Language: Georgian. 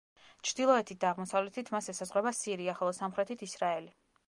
ჩრდილოეთით და აღმოსავლეთით მას ესაზღვრება სირია, ხოლო სამხრეთით ისრაელი.